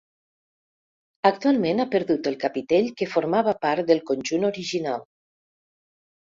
Actualment ha perdut el capitell que formava part del conjunt original.